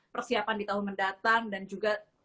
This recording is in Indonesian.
persiapan di tahun mendatang dan juga